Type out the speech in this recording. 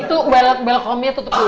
itu welcome nya tutup dulu